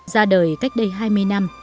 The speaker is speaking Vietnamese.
ra đời cách đây hai mươi năm